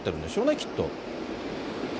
きっと。